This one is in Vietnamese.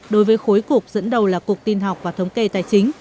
đối với khối cục dẫn đầu là cục tin học và thống kê tài chính